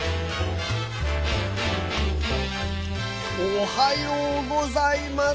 おはようございます。